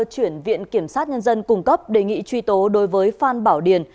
chuyển viện kiểm sát nhân dân cung cấp đề nghị truy tố đối với phan bảo điền